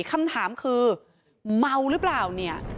คำถามคือเมาหรือเปล่าเนี่ย